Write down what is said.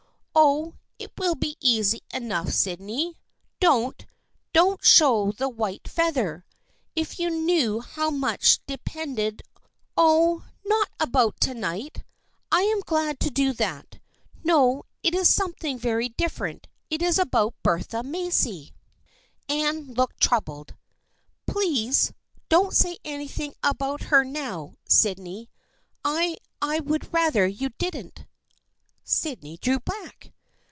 Oh, it will be easy enough, Sydney. Don't, don't show the white feather ! If you knew how much de pended " "Oh, not about to night ! I am glad to do that. No, it is something very different. It is about Bertha Macy." 84 THE FRIENDSHIP OF ANNE Anne looked troubled. " Please don't say anything about her now, Syd ney. I — I would rather you didn't." Sydney drew back.